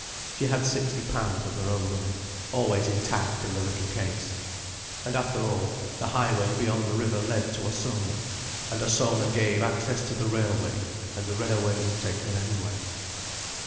She had sixty pounds of her own money, always intact in the little case. And after all, the high way beyond the river led to Ossona, and Ossona gave access to the railway, and the railway would take her anywhere.